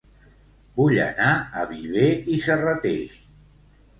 Vull anar a Viver i Serrateix